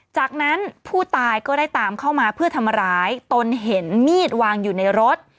จากนั้นผู้ตายก็ได้ตามเข้ามาเพื่อทำร้ายตนเห็นมีดวางอยู่ในรถ